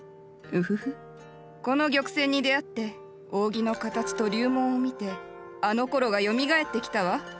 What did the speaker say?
ウフフッこの玉扇に出会って扇の形と竜紋を見てあのころがよみがえってきたわ。